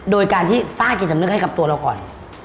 โดยการที่สร้างจิตสำนึกให้กับตัวเราก่อน